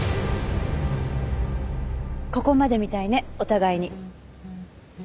ここまでみたいねお互いに。